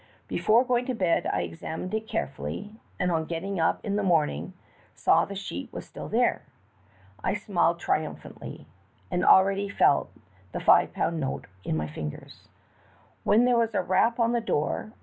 Before going to bed I examined it earefullj^ and on getting up in the morning saw the sheet was still there. I smiled triumphantly, and already felt the five pound note in my fingers, when there was a rap on the door.